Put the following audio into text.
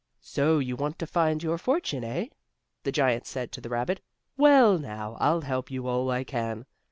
"So you want to find your fortune, eh?" the giant said to the rabbit. "Well, now I'll help you all I can.